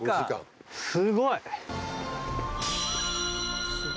すごい！